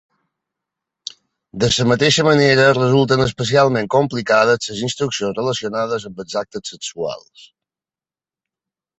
De la mateixa manera resulten especialment complicades les instruccions relacionades amb els actes sexuals.